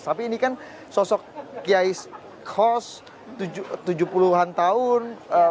tapi ini kan sosok kiai khos tujuh puluh an tahun